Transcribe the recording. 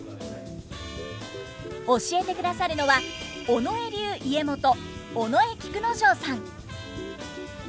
教えてくださるのは尾上流家元尾上菊之丞さん。